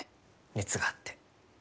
熱があって。